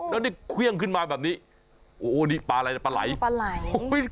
แล้วนี่เครื่องขึ้นมาแบบนี้โอ้นี่ปลาอะไรนะปลาไหลปลาไหล่